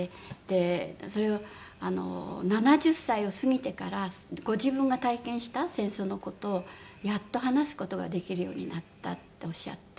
それを７０歳を過ぎてからご自分が体験した戦争の事をやっと話す事ができるようになったっておっしゃって。